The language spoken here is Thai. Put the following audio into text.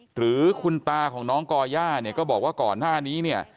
หรือคุณตาของน้องก่อย่าเนี่ยก็บอกว่าก่อนหน้านี้เนี่ย